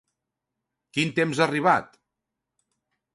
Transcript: Quin temps ha arribat?